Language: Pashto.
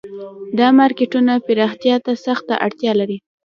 دا مارکیټونه پراختیا ته سخته اړتیا لري